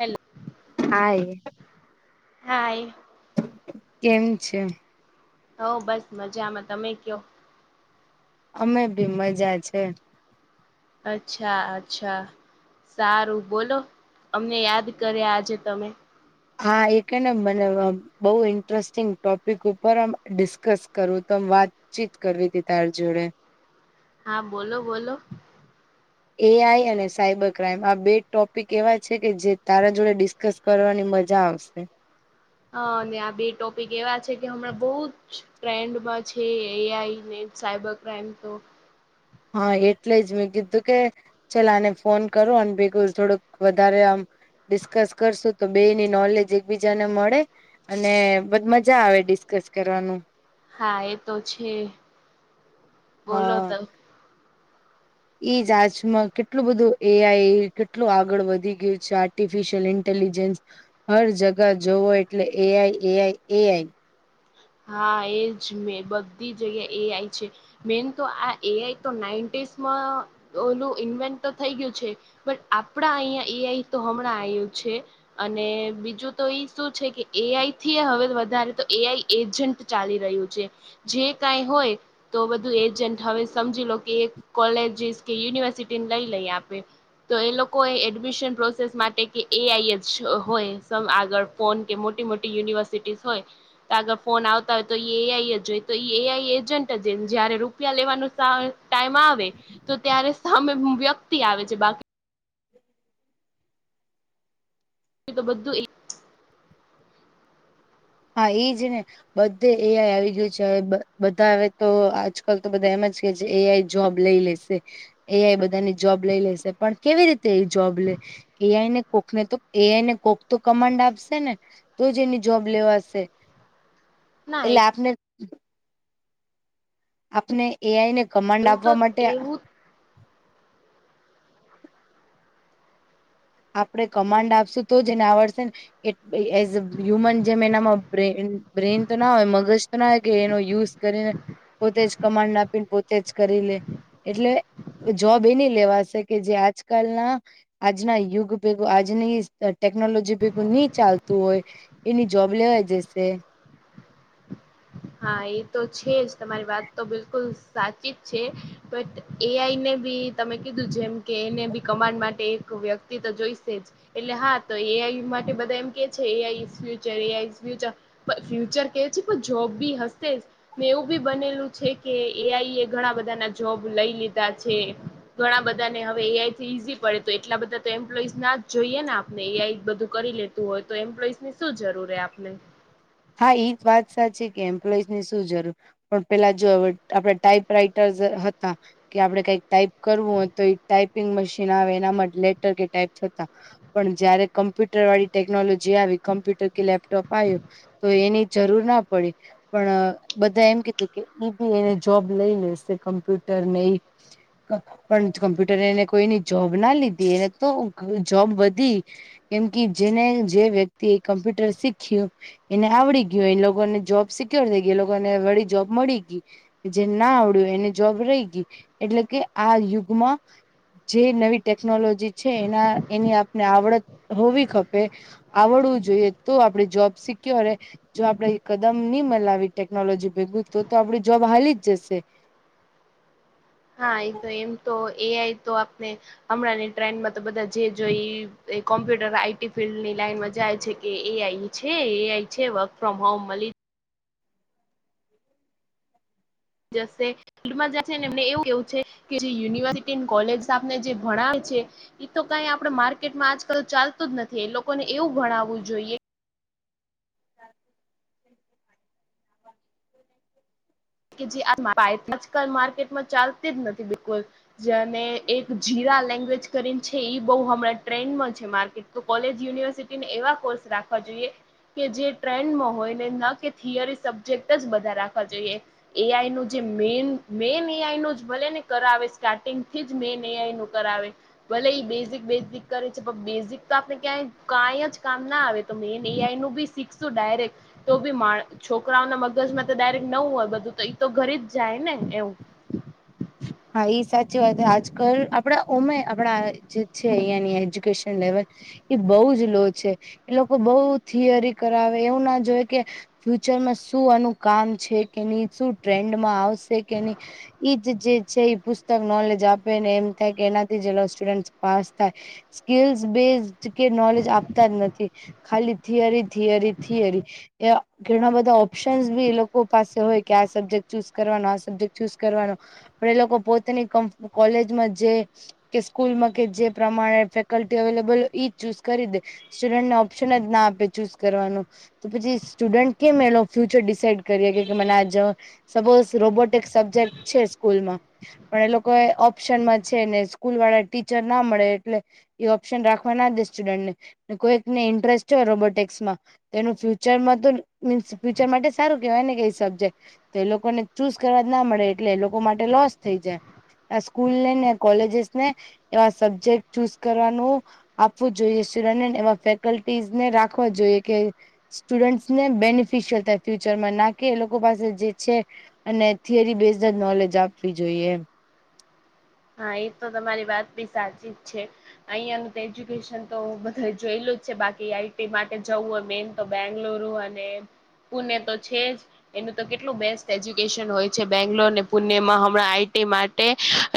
Hello હા. હા. કેમ છે. હો, બસ મજામાં. તમે કયો. અમે ભી મજા છે. અચ્છા અચ્છા સારું બોલો અમને યાદ કરે આજે તમે હા એ કે ને મને બહુ ઇન્ટરેસ્ટિંગ ટોપિક ઉપર આમ ડિસ્કસ કરું તો વાત ચીત કરવી હતી તાર જોડે હા બોલો બોલો. એ આઈ અને સાયબર ક્રાઈમ આ બે ટોપિક એવા છે કે જે તારા જોડે ડિસ ચોક્કસ કરવાની મજા આવશે. હા અને આ બે ટોપિક એવા છે, કે હમણાં બહુ જ ટ્રેન્ડમાં છે, એ આઈ ને સાયબર પ્રઇમ તો. હા એટલે જ મેં કીધું કે. ચલ આને ફોન કરો, અને ભેગું થોડુંક વધારે આમ ડિસ્કસ કરશું તો, બેની નોલેજ એકબીજાને મળે. અને બધ મજા આવે ડિસ્કસ કરવાનું. હા એ તો છે. બોલો હા. તો જચમાં કેટલું બધું એઆઈ કેટલું આગળ વધી ગયું છે. ર્ટિફિશયલ ઇન્ટેલિજન્સ હર જગા જોવો એટલે એ આઈ, એ આઈ, એ આઈ. હા એજ મેં બધી જગ્યા એ આય છે. મેન તો આ એઆઈ તો નાઇન્ટીસમાં ઓલું ઇન્વેન્ટ તો થઈ ગયું છે. પણ આપણા અહિયાં યા એઆઈ તો હમણાં આયુ છે. અને બીજું તો એ શું છે. કે એ આઈથી હવે વધારે તો એઆઈ એજન્ટ ચાલી રહ્યું છે. જે કઈ હોય તો બધું એજન્ટ હવે સમજી લો કે એક કોલેજીસ કે યુનિવર્સિટીને લઈ લઈ આપે તો એ લોકો એડમિશન પ્રોસેસ માટે કે એ આઈ જ હોય આગળ ફોન કે મોટી મોટી યુનિવર્સિટીઝ હોય આગળ ફોન આવતા હોય તો એ એઆઈ જ હોય તો એ એઆઈ એજન્ટ જ જયારે રૂપિયા લેવાનું સ ટાઈમ આવે તો ત્યારે સામે વ્યક્તિ આવે છે. બાકી તો બધું એક હા એજને બધે એ આઈ આવી ગય છે. બધા આવે તો આજકાલ તો બધા એમ કે છે. એઆઈ જોબ લઈ લેશે એઆઈ બધાની જોબ લઈ લેશે પણ કેવી રીતે એ જોબ લે એઆઈને કોક ને તો એઆઈને કોક તો કમાન્ડ આપશે ને તો જ એની જોબ લેવાશે ના એટલે આપને આપને એઆઈ ને કમાન્ડ એવું તો આપવા માટે એવું આપડણે કમાન્ડ આપશું તો જેને આવડશે ને એ એઝ અ હ્યુમન જેમ એનામાં બ્રેઇન તો ના હોય મગજ તો ના હોય કે એનો યુઝ કરીને પોતે જ કમાન્ડ આપીને પોતે જ કરી લે એટલે જોબ એની લેવાશે કે જે આજકાલના આજના યુગ ભેગું આજની ટેકનોલોજી ભેગું નહી ચાલતું હોય એની જોબ લેવા જશે હા એ તો છે. જ તમારી વાત તો બિલકુલ સાચી જ છે. બ એ આઈને બી તમે કીધું જેમ કે એને બી કમાન્ડ માટે એક વ્યક્તિ તો જોઈશે જ એટલે હા તો એઆઈ માટે બધા એમ કે છે. એ આ ફ્યુચર એ આ ફ્યુર ફ્યુચર કે છે. પણ જોબ બી હતે મેં એવું બી બનેલું છે. કે એઆઈ એ ઘણા બધા ના જોબ લઈ લીધા છે. ઘણા બધાને હવે એઆઈ થી ઈઝી પડે તો એટલા બધા તો એમ્પ્લોઈઝ ના જ જોઈએ ને આપને એઆઈ બધું કરી લેત હોય તો એમ્પ્લોઈઝ ની શું જરૂર આપને હા એ જ વાત સાચી છે. કે એમ્પ્લોઈઝ ની શું જરૂર પણ પેલા જો આપણા ટાઈપ રાઈટર્સ હતા. કે આપડે કઈક ટાઈપ કરવું હોય તો એક ટાઈપિંગ મશીન આવે એના માટે લેટર કે ટાઈપ થતા પણ જયારે કમ્પ્યુટર વાળી ટેકનોલોજી આવી કમ્પ્યુટર કે લેપટોપ આવ્યું. તો એની જરૂર ના પડી. પણ બધા એમ કીધું કે ઈ બી એને જોબ લઈ લેશે કમ્પ્યુટર ને એ. પણ કમ્પ્યુટરે એને કોઈની જોબ ના લીધી એને તો જોબ વધી. કેમ કે જેને જે વ્યક્તિ એ કમ્પ્યુટર શીખ્યું એને આવડી ગયયો એ લોકોને જોબ સિક્યોર થઈ ગયો એ લોકોને વળી જોબ મળી ગયુ જે ના આવડ્યું એને જોબ રહી ગઈ એટલે કે આ યુગમાં જે નવી ટેકનોલોજી છે. એના એની આપને આવડત હોવી ખપે આવડવું જોઈએ તો આપડે જોબ શી કયો રરે જો આપડે કદમ નહી મલાવી ટેકનોલોજી ભેગું તો તો આપડી જોબ હાલી જ જશે હા એતો એમ તો એ આય તો આપને હમણાંની ટ્રેન્ડમાં તો બધા જે જોઈ કોમ્પ્યુટર આઈટી ફિલ્ડની લાઈનમાં જાય છે. કે એ આઈ છે એ આ છે. વર્ક ફ્રોમ હોમ મળી જ ફમાં જ છે. ને એમને એવું એવું છે. કે જે યુનિવર્સિટી કોલેજ આપને જે ભણાયે છે. તો કઈ આપડે માર્કેટમાં આજકાલ ચાલતું જ નથી એ લોકોને એવું ગણાવવું જોઈએ કે જે આજકાલ માર્કેટમાં ચાલતીજ નથી બિલકુલ. જેને એક જીરા લેંગ્વેજ કરીને છે બહ હમણાં ટ્રેન્ડમાં છે માર્કેટ. તો કોલેજ યુનિવર્સિટીને એવા કોર્સ રાખવા જોઈએ. કે જે ટ્રેન્ડમાં હોય ને ન કે થિયરી સબ્જેક્ટજ બધા રાખવા જોઈએ. એ આઈનોજે મેન. મે નિ આય નું જ ભલે ને કરાવે સ્ટાર્ટિંગ થી જ મે નિ્યાય નું કરાવે. ભલે ઈ બેઝિક બેઝિક કરે છે પણ બેઝિક તો આપણે ક્યાંય કઈ જ કામ ના આવે. તો મેન એ આઈ નું બી શીખશું ડાયરેક્ટ. તો બી મા છોકરાઓના મગજમાં તો ડાયરેક્ટ ન હોય બધું તો એ તો ઘરીજ જાય ને એવું. હા એ સાચી વાત આજકાલ આપડા ઉમે આપણા જે છે અહંયાની એજ્યુકેશન લેવલ. એ બઉુ જ લો છે એ લોકો બઉુ થિયરી કરાવે એવું ના જોય કે. ફ્યુચરમાં શું આનું કામ છે કેની શું ટ્રેન્ડમાં આવશે કે ન ઈ. જે છે એ પુસ્તક નોલેજ આપેને એમ થાય કે એનાથી જે સ્ટુડન્ટ પાસ થાય. સ્કીલસ બેઝ કે નોલેજ આપતાજ નથી. ખાલી થિયરી થિયરી થિયરી એ. ઘણા બધા ઓપ્શનસ બી એ લોકો પાસે હોય કે આ સબ્જેક્ટ ચૂઝ કરવાનો આ સબ્જેક્ટ ચૂઝ કરવાનો. પણ એલોકો પોતાની કોલેજમાં જે. કે સ્કૂલમાં કે જે પ્રમાણે ફેકલ્ટી અવેલેબલ હોય જ ચૂઝ કરી દે. સ્ટુડન્ટને ઓપ્શનજ ના આપે ચૂઝ કરવાનું. તો પછી સ્ટુડન્ટ કેમ એલો ફ્યુચર ડિસાઈડ કરીએ કે મને આ જ. સપોઝ રોબોટિક સબ્જેક્ટ છે સ્કૂલમાં. પણ એ લોકો ઓપ્શનમાં છે ને સ્કૂલ વાળા ટીચરના મળે એટલે. એ ઓપ્શન રાખવાના દે સ્ટુડન્ટ ને કોઈકને ઇન્ટરેસ્ટ હોય રોબોટિક્સમાં. તેનું ફ્યુચરમાં તો મીન્સ ફ્યુચર માટે સારું કેવાય ને કે સબ્જેક્ટ. તો એ લોકોને ચૂઝ કરવા જ ના મળે એટલે એ લોકો માટે લોસ થઈ જાય. આ સ્કૂલ ને ને કોલેજસ ને એવા સબ્જેક્ટ ચૂઝ કરવાનું. આપવું જોઈએ શરાનેને એવા ફેકલ્ટીઝને રાખવા જોઈએ કે. સ્ટુડન્ટસ ને બેનિફિશયલ થાય ફ્યુચરમાં ના કે એ લોકો પાસે જે છે. અને થિયરી બેઝજ નોલેજ આપવી જોઈએ. હા એ તો તમારી વાતબી સાચીજ છે. અહિયાંનું તો એજ્યુકેશન તો બધે જોયેલુંજ છે બાકી આઈટી માટે જવું મે. તો બેંગ્લુરુ અને પુણે તો છેજ. એનું તો કેટલું બેસ્ટ એજ્યુકેશન હોય છે બેંગ્લોર અને પુણેમાં હમણાં આઈટી માટે.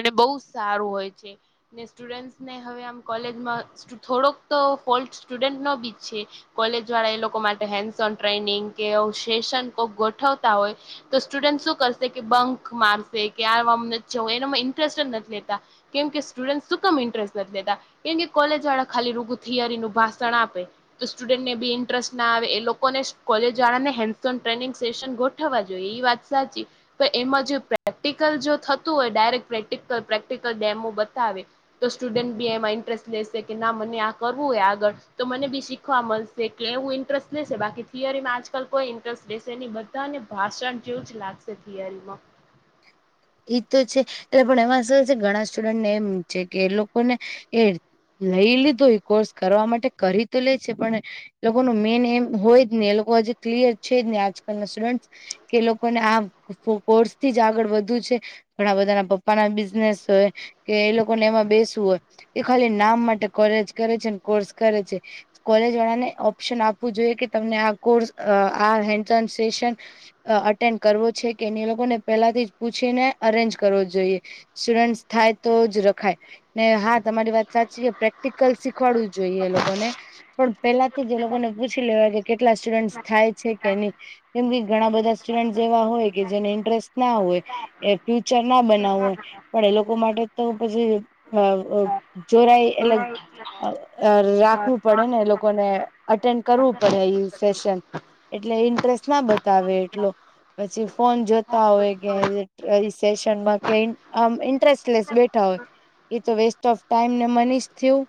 અને બહુ સારું હોય છે ને સ્ટુડન્ટ્સ ને હવે આમ કોલેજમાં. થોડો તો ફોલ્ટ સ્ટુડન્ટનો બી છે. કોલેજ વાળા એ લોકો માટે હેન્સ ઓન ટ્રેનિંગ કે સેશન કો ગોઠવતા હોય. તો સ્ટુડન્ટ શું કરશે કે બંક મારશે કે આ એનામાં ઇન્ટરેસ્ટ જ નથી લેતા. કેમ કે સ્ટુડન્ટ સુ કમ ઇન્ટરેસ્ટ નથી લેતા. એમની કે કોલેજ વાળા ખાલી રૂગુ થીયરી નું ભાષણ આપે. તો સ્ટુડન્ટને બી ઇન્ટરેસ્ટના આવે એ લોકોને કોલેજને હેન્ ટ્રેનિંગ સેસન ગો. થવા જો‌ઇએ ઇવાત સાચી પણ એમાં જો પ્રેક્ટિકલ જો થતું હોય ડાયરેક્ટ પ્રે્ટ. ડિકલ પ્રેક્ટિકલ ડેમો બતાવે. તો સ્ટુડન્ટ બી એમાં ઇન્ટરેસ્ટ લેશે કે ના મને આ કરવું હોય આગળ. તો મને બી શીખવા મળશે એટલે એવું ઇન્ટરેસ્ટ લેશે બાકી થીયેરીમાં આજકાલ કોઈ ઇન્ટરેસ્ટ દેશે એની બ. ને ભાષણ જેવુંજ લાગશે થિયરીમાં. એ તો છે એટલે પણ એમાં શું છે ઘણા સ્ટુડન્ટને એમ છે કે એ લોકોને. એ લઈ લીધું એ કોર્સ કરવા માટે કરી તો લે છે પણ. લોકો ન મેઇન એમ હોય જ ને એ લોકો આજ ક્લિયર છે જ ને આજકાલના સ્ટુડેન્ટ. કે લોકોને આ કો કોર્સથીજ આગળ વધવુ છે. ઘણા બધા ના પપ્પા ના બિઝનેસ હોય. કે એ લોકોને એમાં બેસવું હોય એ ખાલી નામ માટે કોલેજ કરે છે કોર્સ કરે છે. કોલેજ વાળા ને ઓપ્શન આપવું જોઈએ કે તમને આ કોર્સ આ હેન્ડન સેસન. અ અટેન્ડ કરવો છે કે એને લોકોને. પેલાથી જ પૂછીને અરેન્જ કરવો જોઈએ સ્ટુડન્ટ થાય તો જ રખાય. ને હા તમારી વાત સાચી છે પ્રેક્ટિકલ શીખવાડવું જોઈએ એ લોકોને. પણ પેલાથી જ એ લોકોને પૂછી લેવા કે કેટલા સ્ટુડન્ટસ થાય છે કે નહી. જેમ કે ઘણા બધા સ્ટુડન્ટ એવા હોય કે જેને ઇન્ટરેસ્ટ ના હોય. એ ફ્યુચર ના બનાવવું હોય પણ એ લોકો માટે તો પછી અ અ. જોરાય એટલે. અ રાખવું પડે ને લોકોને અટેન્ડ કરવું પડે એ. સેશન એટલે ઇન્ટરેસ્ટ ના બતાવે એટલો પછી ફોન જો. તા હોય કે સેશનમાં કે આમ ઇન્ટરેલેટ લસ બેઠા હોય. એ તો વેસ્ટ ઓફ ટાઈમ ને મનીશ થયું.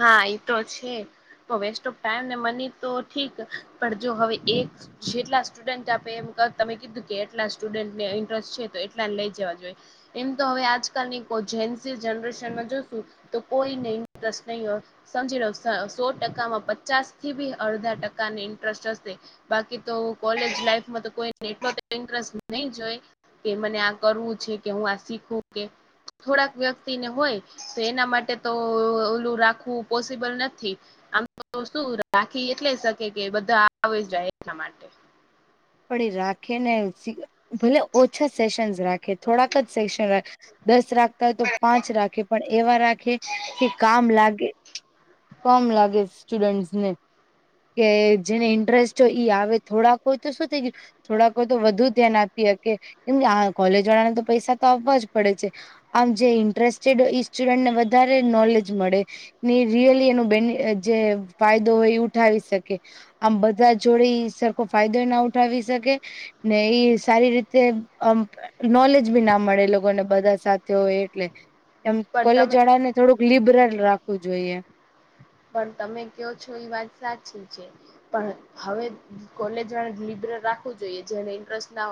હા એ તો છે તો વેસ્ટ ઓફ ટાઈમ ને મની તો ઠીક પણ જો હવે એક. જેટલા સ્ટુડન્ટ આપે એમ તમે કીધું કે એટલા સ્ટુડન્ટને ઇન્ટરેસ્ટ છે તો એટલા લઈ જવા જોઈએ. એમ તો હવે આજકાલની કો‌ઇ જે જનરેશનમાં જોશું તો કોઈ નહી. નહીં હો સમજી લો સ સો ટકામાં પચાસ થી બી અડધા ટકાને ઇન્ટરસ હશે. બાકી તો કોલેજ લાઈફમાં તો કોઈ એટલો ઇન્ટરેસ્ટ નહી જોય. કે મને આ કરવું છે કે હું આ શીખું કે. થોડાક વ્યક્તિને હોય તો એના માટે તો ઓલું રાખવું પોસિબલ નથી. આમ તો શું રાખી એટલે શકે કે બધા આવે જાય એના માટે. પડી રાખે ને ભલે ઓછા સેશન રાખે થોડાક જ સેેશન રાખે. દસ રાખતા હોય તો પાંચ રાખે પણ એવા રાખે કે કામ લાગે. કામ લાગે સ્ટુડન્ટસ ને. કે જેને ઇન્ટરેસ્ટ હોય ઈ આવે થોડાક. તો શું થઈ ગયું થોડાકો તો વધુ ધ્યાન આપી હકે કેમ આ કોલેજ વાળા ને તો પૈસા તો આવવા જ પડે છે આમ જે ઇન્ટરેસ્ટેડ સ્ટુડન્ટ ને વધારે નોલેજ મળે. ની રિયલી એનો બે જે ફાયદો હોય એ ઉઠાવી શકે. આમ બધા જોડે ઇ સરખો ફાયદો ના ઉઠાવી શકે. ને એઈ સારી રીતે અમ. નોલેજ બી ના મળે એ લોકોને બધા સાથે હોય એટલે એમ પણ કોલેજ તમે વાળા ને થોડુંક લિબરલ રાખવું જોઈએ. પણ તમે કો છો એ વાત સાચી છે પણ હવે કોલેજ લિબરલ રાખવું જોઈએ જેને ઇન્ટરેસ્ટ ના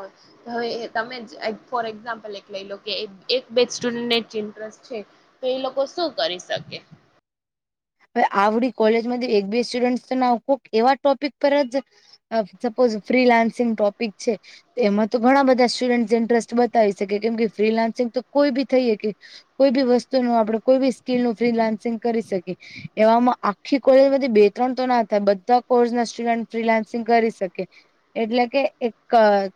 હોય હવે તમે ફોર એક્ઝામ્પલ એક લઈ લો કે એક બે સ્ટુડન્ટને જ ઇન્ટરેસ્ટ છે તો એ લોકો શું કરી શકે હવે આવડી કોલેજમાં એક બે સ્ટુડન્ટ તો ના કોક એવા ટોપિક પર જ સપોઝ ફ્રીલાન્સિંગ ટોપિક છે એમાં તો ઘણા બધા સ્ટુડન્ટ ઇન્ટરેસ્ટ બતાવી શકે કેમ કે ફ્રીલાન્સિંગ તો કોઈ બી થઈ હકે કોઈ બી વસ્તુ નુ આપડે કોઈ બી સ્કીલ નું ફ્રીલાન્સિંગ કરી શકીએ. એવામાં આખી કોલેજમાંથી બે ત્રણ તો ના થાય બધા કોર્સ ના ફ્રીલાન્સિંગ કરી શકે એટલે કે એક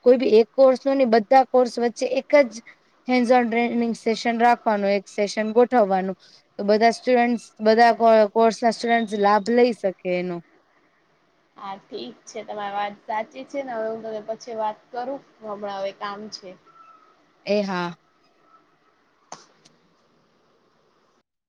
કોઈ બી એક કોર્સ નુ નઈ બધા કોર્સ વચ્ચે એક જ હેન્સ ઓન ટ્રેનિંગ સેશન રાખવાનું એક સેશન ગોઠવવાનું તો બધા સ્ટુડન્ટ બધા કોર્સ ના સ્ટુડન્ટ લાભ લઈ શકે એનો હા ઠીક છે તમારી વાત સાચી છે ને હવે હું તને પછી વાત કરું હમણાં હવે કામ છે એ હા